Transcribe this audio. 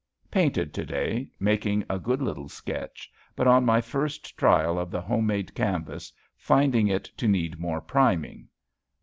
Painted to day making a good little sketch, but, on my first trial of the home made canvas, finding it to need more priming.